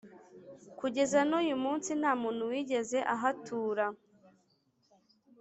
Kugeza n uyu munsi nta muntu wigeze ahatura